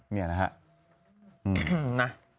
เนี่ยนะฮะ